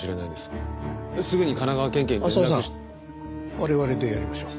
我々でやりましょう。